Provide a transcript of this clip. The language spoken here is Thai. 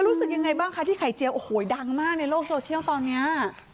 รู้สึกยังไงบ้างคะที่ไข่เจียวโอ้โหดังมากในโลกโซเชียลตอนนี้